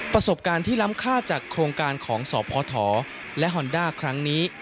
ประสบการณ์ที่ล้ำค่าจากโครงการของสพและฮอนด้าครั้งนี้